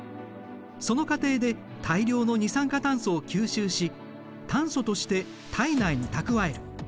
その過程で大量の二酸化炭素を吸収し炭素として体内に蓄える。